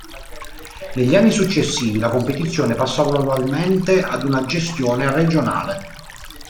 Negli anni successivi la competizione passò gradualmente ad una gestione regionale.